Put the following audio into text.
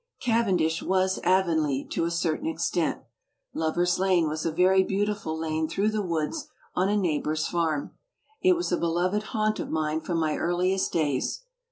Cavendish was "Avonlea" to a certain extent. "Lover's Lane" was a very beautiful lane through the woods on a neighbour's farm. It was a beloved haunt of mine from my earliest days.